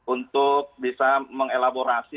untuk bisa mengelaborasi